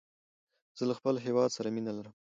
زه له خپل هيواد سره مینه لرم.